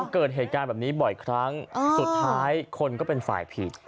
เกิดเหตุการณ์แบบนี้บ่อยครั้งสุดท้ายคนก็เป็นฝ่ายผิด